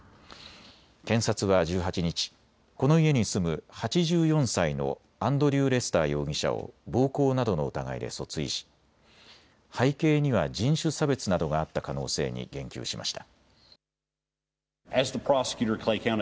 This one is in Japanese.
検察は１８日この家に住む８４歳のアンドリュー・レスター容疑者を暴行などの疑いで訴追し背景には人種差別などがあった可能性に言及しました。